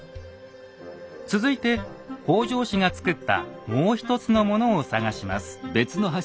続いて北条氏がつくったもう一つのものを探します。